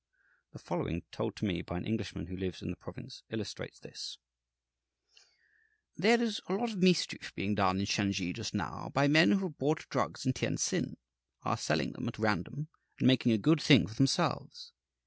The following, told to me by an Englishman who lives in the province, illustrates this: "There is a lot of mischief being done in Shansi just now by men who have bought drugs in Tientsin, are selling them at random, and making a good thing for themselves.